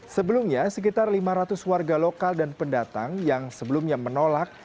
sebelumnya sekitar lima ratus warga lokal dan pendatang yang sebelumnya menolak